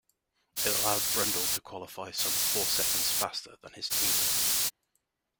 It allowed Brundle to qualify some four seconds faster than his team mate.